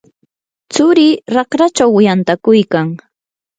tsurii raqrachaw yantakuykan.